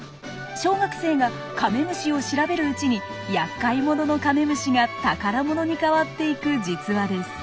小学生がカメムシを調べるうちにやっかい者のカメムシが宝物に変わっていく実話です。